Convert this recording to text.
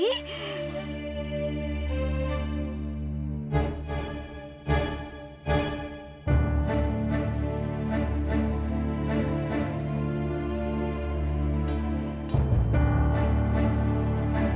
iya tekan cuma